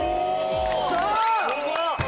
よっしゃー！